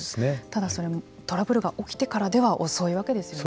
ただ、それもトラブルが起きてからでは遅いわけですよね。